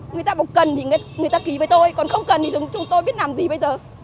người ta có cần thì người ta ký với tôi còn không cần thì chúng tôi biết làm gì bây giờ